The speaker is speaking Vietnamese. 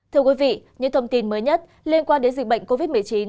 thưa quý vị những thông tin mới nhất liên quan đến dịch bệnh covid một mươi chín